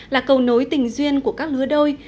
là cầu nối tình duyên của các lứa đôi